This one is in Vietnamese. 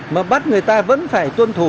mà bắt người ta vẫn phải tuân thủ